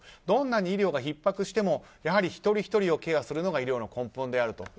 どんなに医療がひっ迫しても一人ひとりをケアするのが医療の根本であると。